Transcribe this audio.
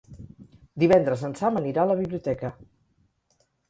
Divendres en Sam anirà a la biblioteca.